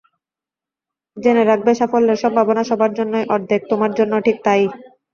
জেনে রাখবে, সাফল্যের সম্ভাবনা সবার জন্যই অর্ধেক, তোমার জন্যও ঠিক তা-ই।